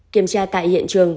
kiểm tra tại hiện trường